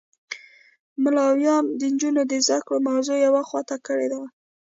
ملایانو د نجونو د زده کړو موضوع یوه خوا ته کړې وه.